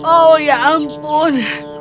oh ya ampun